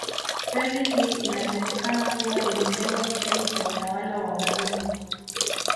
Reli hii inasemekana kuwa ilijengwa kipindi cha utawala wa wazungu